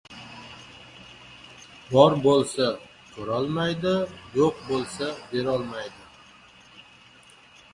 Bor bo‘lsa, ko‘rolmaydi, yo‘q bo‘lsa, berolmaydi!